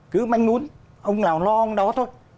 cứ manh ngún ông nào lo ông đó thôi